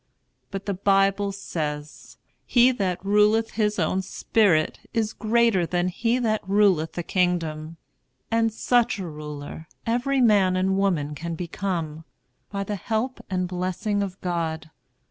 But the Bible says, "He that ruleth his own spirit is greater than he that ruleth a kingdom"; and such a ruler every man and woman can become, by the help and blessing of God.